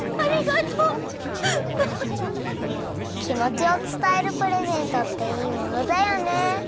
きもちをつたえるプレゼントっていいものだよね。